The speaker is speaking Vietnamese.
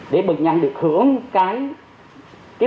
để bực nhăn được hưởng cái